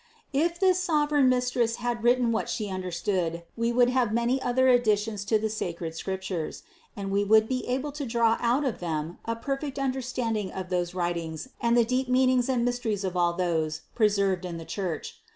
If this sov ereign Mistress had written what She understood, we would have many other additions to the sacred Scriptures ; and we would be able to draw out of them a perfect under standing of those writings and the deep meanings and mysteries of all those preserved in the Church.